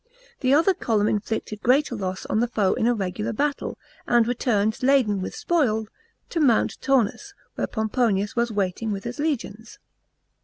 The other column inflicted greater loss on the foe in a regular battle, and returned laden with spoil to Mount Taunus, where Pomponius was waiting with his legions.